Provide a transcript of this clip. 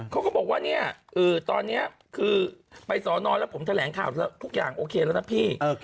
เขาก็บอกว่าเนี่ยตอนนี้คือไปสอนอนแล้วผมแถลงข่าวทุกอย่างโอเคแล้วนะพี่